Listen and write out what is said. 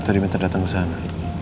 kita diminta datang ke sana